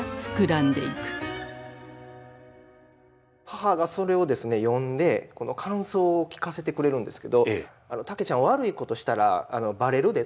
母がそれを読んで感想を聞かせてくれるんですけど「タケちゃん悪いことしたらバレるで」と。